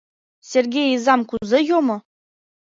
Серге изам кузе йомо?..